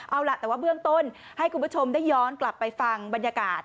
เอาล่ะแต่ว่าเบื้องต้นให้คุณผู้ชมได้ย้อนกลับไปฟังบรรยากาศ